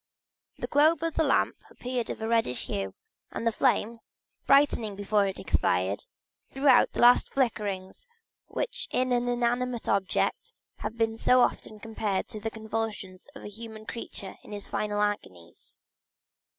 The globe of the lamp appeared of a reddish hue, and the flame, brightening before it expired, threw out the last flickerings which in an inanimate object have been so often compared with the convulsions of a human creature in its final agonies.